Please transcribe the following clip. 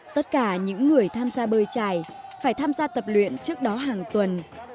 tất cả những người tham gia bơi trải phải tham gia tập luyện trước đó hàng tuần